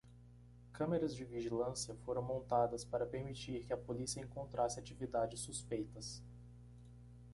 Câmeras de vigilância foram montadas para permitir que a polícia encontrasse atividades suspeitas.